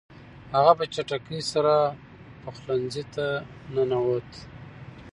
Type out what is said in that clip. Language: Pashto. هغه په چټکۍ سره پخلنځي ته ننووت.